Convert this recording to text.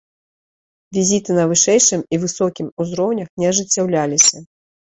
Візіты на вышэйшым і высокім узроўнях не ажыццяўляліся.